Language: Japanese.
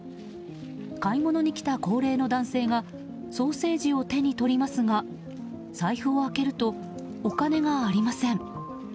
買い物に来た高齢の男性がソーセージを手に取りますが財布を開けるとお金がありません。